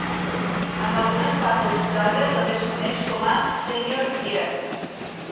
En algunes parts d'Austràlia també es coneix com a "senior year".